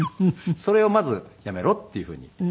それをまずやめろっていうふうに。